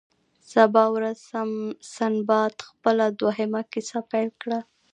سبا ورځ سنباد خپله دوهمه کیسه پیل کړه.